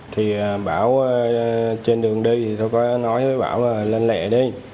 thì bảo trên đường đi thì tôi có nói với bảo là lên lẹ đi